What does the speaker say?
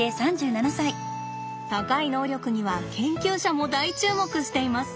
高い能力には研究者も大注目しています。